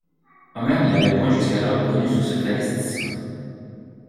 Omer ne l'avait point jusqu'alors connu sous ce travestissement.